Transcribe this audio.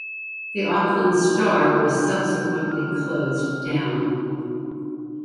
The Auckland Star was subsequently closed down.